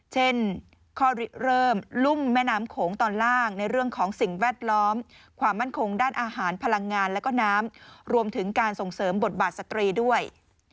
เช่นข้อริเริ่มรุ่มแม่น้ำโขงตอนล่างในเรื่องของสิ่งแวดล้อมความมั่นคงด้านอาหารพลังงานและก็น้ำรวมถึงการส่งเสริมบทบาทสตรีด้วย